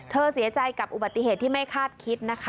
เสียใจกับอุบัติเหตุที่ไม่คาดคิดนะคะ